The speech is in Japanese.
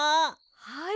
はい。